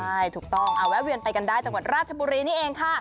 ใช่ถูกต้องแวะเวียนไปกันได้จังหวัดราชบุรีนี่เองค่ะ